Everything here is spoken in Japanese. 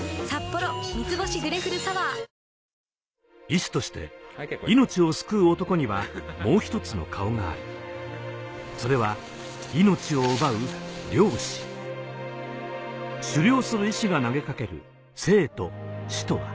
医師として命を救う男にはもう１つの顔があるそれは命を奪う猟師狩猟する医師が投げ掛ける生と死とは